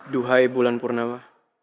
duhai bulan purnawa